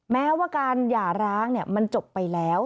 แม้ว่าการหย่าร้างมันจบไปแล้ว